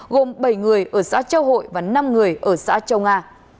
gồm bảy người ở xã châu hội và năm người ở xã châu nga